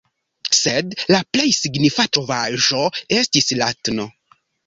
Sed la plej signifa trovaĵo estis la tn.